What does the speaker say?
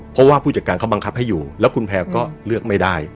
เพราะว่าผู้จัดการเขาบังคับให้อยู่แล้วคุณแพลวก็เลือกไม่ได้